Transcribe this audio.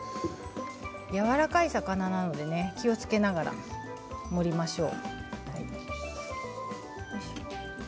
やわらかい魚なので気をつけながら盛りましょう。